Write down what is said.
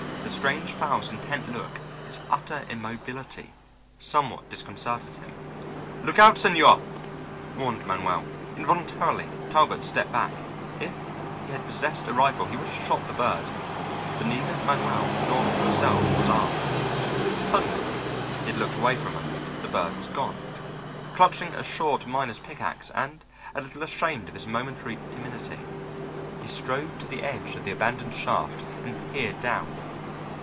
The strange fowl's intent look, its utter immobility, somewhat disconcerted him. "Look out, señor," warned Manuel. Involuntarily, Talbot stepped back. If he had possessed a rifle he would have shot the bird, but neither Manuel nor himself was armed. Suddenly he had looked away for a moment the bird was gone. Clutching a short miner's pick ax, and a little ashamed of his momentary timidity, he strode to the edge of the abandoned shaft and peered down.